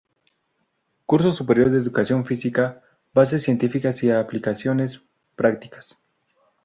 Curso superior de educación física: bases científicas y aplicaciones prácticas.